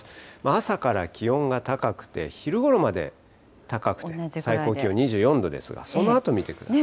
朝から気温が高くて、昼ごろまで高くて、最高気温２４度ですが、そのあと見てください。